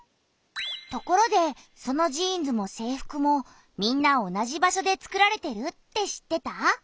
ところでそのジーンズも制服もみんな同じ場所でつくられてるって知ってた？